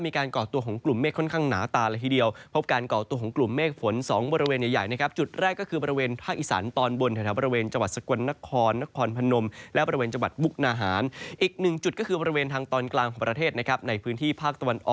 มีการก่อตัวของกลุ่มเมฆค่อนข้างหนาตาละทีเดียว